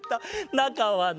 なかはな